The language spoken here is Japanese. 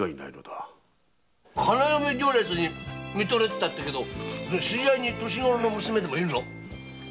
花嫁行列に見とれてたって知り合いに年ごろの娘でも？